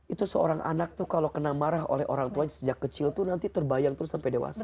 itu seorang anak tuh kalau kena marah oleh orang tuanya sejak kecil itu nanti terbayang terus sampai dewasa